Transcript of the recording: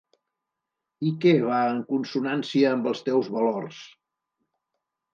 I què va en consonància amb els teus valors.